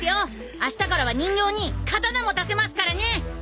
あしたからは人形に刀持たせますからね！